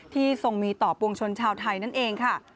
ทรงมีต่อปวงชนชาวไทยนั่นเองค่ะ